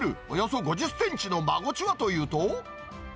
およそ５０センチのマゴチはというと。